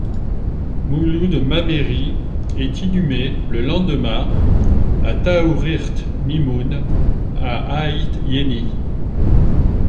Mouloud Mammeri est inhumé, le lendemain, à Taourirt Mimoun à Aït Yenni.